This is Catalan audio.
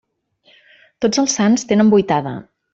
Tots els sants tenen vuitada.